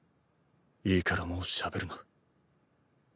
いいからもうしゃべるな。